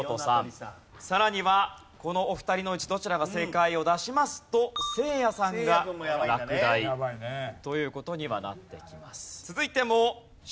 さらにはこのお二人のうちどちらか正解を出しますとせいやさんが落第という事にはなってきます。